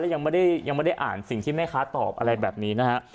และยังไม่ได้อ่านสิ่งที่แม่ค้าตอบอะไรแบบนี้นะคะ